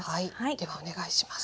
ではお願いします。